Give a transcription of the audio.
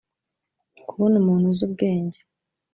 kubona umuntu uzi ubwenge